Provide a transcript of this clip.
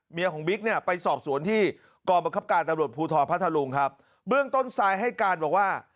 ของบิ๊กเนี่ยไปสอบสวนที่กรบังคับการตำรวจภูทรพัทธรุงครับเบื้องต้นทรายให้การบอกว่า